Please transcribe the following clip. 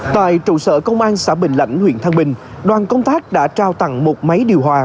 tại trụ sở công an xã bình lãnh huyện thăng bình đoàn công tác đã trao tặng một máy điều hòa